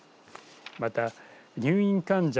また、入院患者